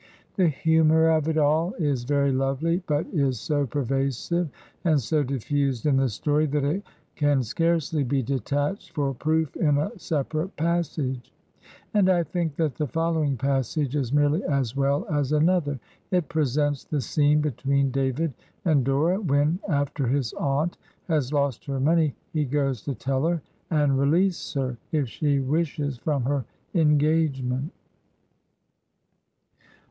The humor of it all is very lovely, but is so pervasive and so diffused in the story that it can scarcely be detached for proof in a separate passage; and I think that the following passage is merely as well as another. It presents the scene between David and Dora when, after his aunt has lost her money, he goes to tell her, and release her, if she wishes, from her engagement.